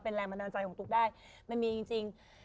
แรงบันดาลใจของตุ๊กได้มันมีจริง